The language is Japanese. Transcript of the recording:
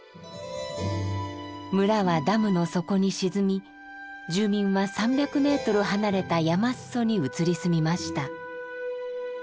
村はダムの底に沈み住民は３００ｍ離れた山裾に移り住みました。